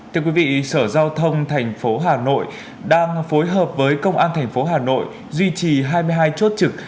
thưa quý vị sở giao thông thành phố hà nội đang phối hợp với công an tp hà nội duy trì hai mươi hai chốt trực